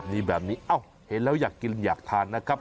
ดีแบบนี้เอ้าเห็นแล้วอยากกินอยากทานนะครับ